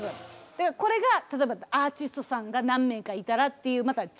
だからこれが例えばアーティストさんが何名かいたらっていうまたちがう振付に変わる。